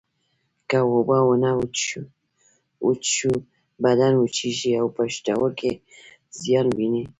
که اوبه ونه څښو بدن وچېږي او پښتورګي زیان ویني